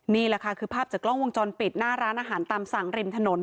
นี่แหละค่ะคือภาพจากกล้องวงจรปิดหน้าร้านอาหารตามสั่งริมถนน